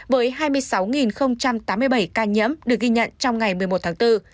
với hai mươi sáu tám mươi bảy ca nhiễm được ghi nhận trong ngày một mươi một tháng bốn